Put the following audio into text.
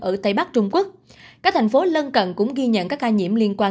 ở tây bắc trung quốc các thành phố lân cận cũng ghi nhận các ca nhiễm liên quan